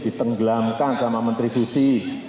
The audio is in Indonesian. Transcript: ditenggelamkan sama menteri susi